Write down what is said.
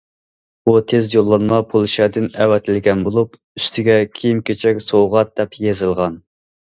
بۇ تېز يوللانما پولشادىن ئەۋەتىلگەن بولۇپ، ئۈستىگە« كىيىم- كېچەك، سوۋغات» دەپ يېزىلغان.